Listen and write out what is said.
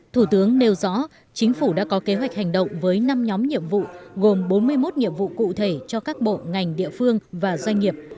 thủ tướng nêu rõ chính phủ đã có kế hoạch hành động với năm nhóm nhiệm vụ gồm bốn mươi một nhiệm vụ cụ thể cho các bộ ngành địa phương và doanh nghiệp